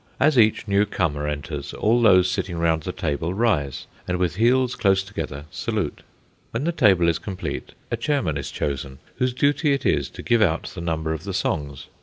As each new comer enters all those sitting round the table rise, and with heels close together salute. When the table is complete, a chairman is chosen, whose duty it is to give out the number of the songs.